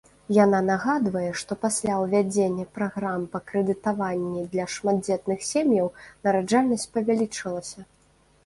Яна нагадвае, што пасля ўвядзення праграм па крэдытаванні для шматдзетных сем'яў нараджальнасць павялічылася.